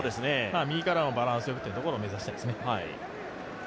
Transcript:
右からのバランスとってというところを目指してますね。